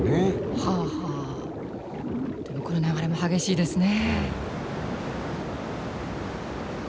はあはあでもこの流れも激しいですね。